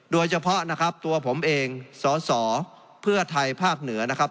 โดยเฉพาะนะครับตัวผมเองสอสอเพื่อไทยภาคเหนือนะครับ